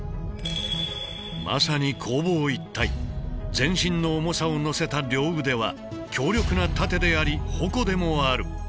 全身の重さを乗せた両腕は強力な盾であり矛でもある。